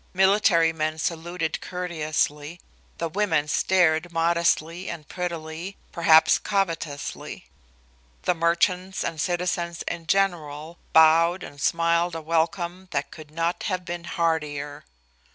Military men saluted courteously; the women stared modestly and prettily perhaps covetously; the merchants and citizens in general bowed and smiled a welcome that could not have been heartier.